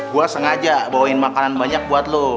gue sengaja bawain makanan banyak buat lo